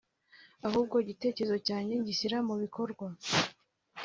ahubwo igitekerezo cyanjye ngishyira mu bikorwa